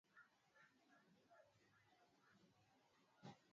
Wahangaza Wanyarwanda na Wafumbira na hii tunaipata kutokana na